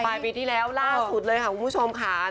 ปลายปีที่แล้วล่าสุดเลยค่ะคุณผู้ชมค่ะ